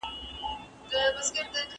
زه پرون واښه راوړم وم!!